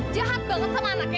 jahat banget sama anaknya